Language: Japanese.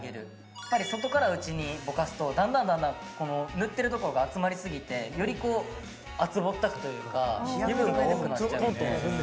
やっぱり外から内にぼかすとだんだんだんだんこの塗ってるところが集まりすぎてより厚ぼったくというか油分が多くなっちゃうんで。